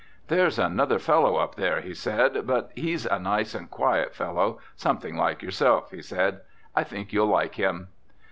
"There's another fellow up there," he said. "But he's a nice, quiet fellow; something like yourself," he said. "I think you'll like him."